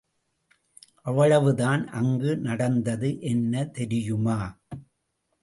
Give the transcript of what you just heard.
அவ்வளவுதான் அங்கு நடந்தது என்ன தெரியுமா?